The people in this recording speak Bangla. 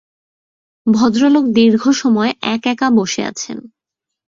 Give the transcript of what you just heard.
ভদ্রলোক দীর্ঘ সময় এক-একা বসে আছেন।